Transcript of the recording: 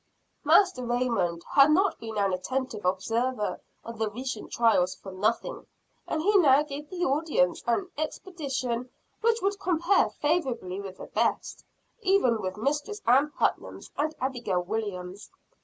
Master Raymond had not been an attentive observer of the recent trials for nothing; and he now gave the audience an exhibition which would compare favorably with the best, even with Mistress Ann Putnam's and Abigail William's.